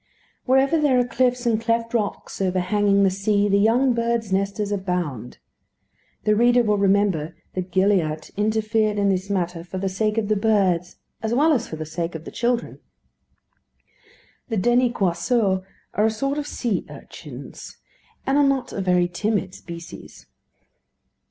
Wherever there are cliffs and cleft rocks overhanging the sea, the young birds' nesters abound. The reader will remember that Gilliatt interfered in this matter for the sake of the birds as well as for the sake of the children. The "déniquoiseaux" are a sort of sea urchins, and are not a very timid species.